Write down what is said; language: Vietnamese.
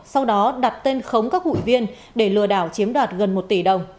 sau đó đặt tên khống các hụi viên để lừa đảo chiếm đoạt gần một tỷ đồng